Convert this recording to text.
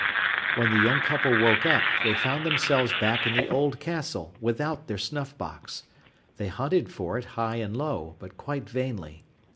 When the young couple woke up, they found themselves back in the old castle, without their snuff box. They hunted for it high and low, but quite vainly.